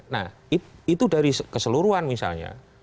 nah itu dari keseluruhan misalnya